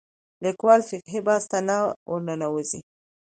لیکوال فقهي بحث ته نه ورننوځي